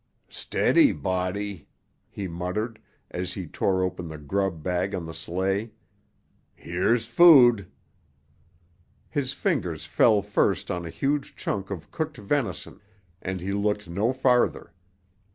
"Steady, Body," he muttered, as he tore open the grub bag on the sleigh. "Here's food." His fingers fell first on a huge chunk of cooked venison, and he looked no farther.